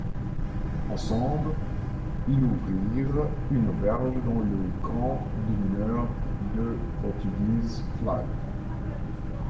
Ensemble il ouvrirent une auberge dans le camp de mineur de Portuguese Flat.